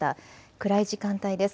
暗い時間帯です。